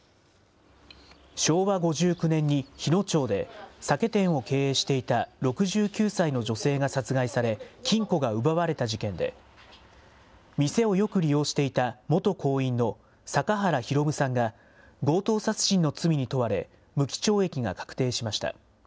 昭和５９年に日野町で酒店を経営していた６９歳の女性が殺害され、金庫が奪われた事件で、店をよく利用していた元工員の阪原弘さんが、強盗殺人の罪に問われ、無期懲役が確定しました。